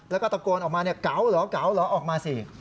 แล้วก็ตะโกนออกมาเนี่ยเก๋าเหรอเก๋าเหรอออกมาสิ